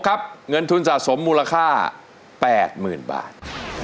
๖ครับเงินทุนสะสมมูลค่า๘หมื่นบาท